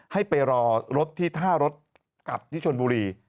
ให้ไปรอที่ท่ารถกลับที่ช่วงบุหรี่